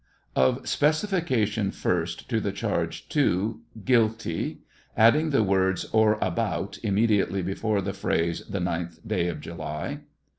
Of specification first to the charge II, " guilty," adding the words " or about" immediately before the phrase " the ninth day of July."